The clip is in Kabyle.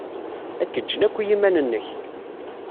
Ad k-ǧǧen akk i yiman-nnek.